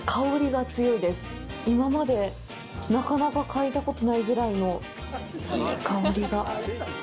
今まで、なかなか嗅いだことがないぐらいのいい香りが。